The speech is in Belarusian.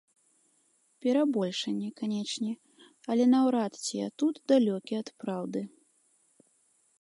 Перабольшанне, канечне, але наўрад ці я тут далёкі ад праўды.